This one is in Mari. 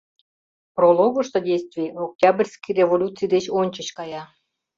Прологышто действий Октябрьский революций деч ончыч кая.